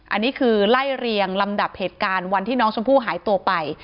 อันนี้คือไล่เรียงลำดับเหตุการณ์วันที่น้องชมพู่หายตัวไป